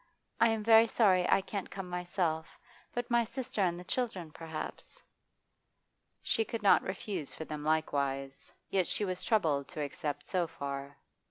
'I am very sorry I can't come myself, but my sister and the children perhaps ' She could not refuse for them likewise, yet she was troubled to accept so far.